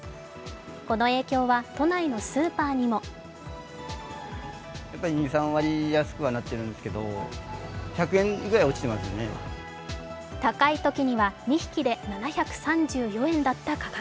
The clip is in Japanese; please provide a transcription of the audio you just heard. この影響は都内のスーパーにも高いときには２匹で７３４円だった価格。